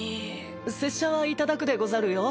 拙者はいただくでござるよ。